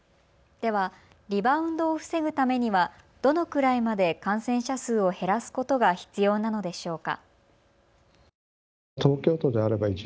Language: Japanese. ではリバウンドを防ぐためにはどのくらいまで感染者数を減らすことが必要なのでしょうか。